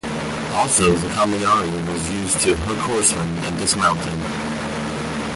Also the kama-yari was used to hook horsemen and dismount them.